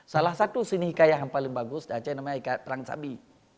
salah satu seni hikayat yang paling bagus di aceh namanya hikayat perang sabi